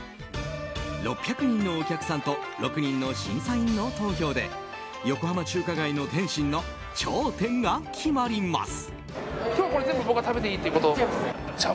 ６００人のお客さんと６人の審査員の投票で横浜中華街の点心の頂点が決まります。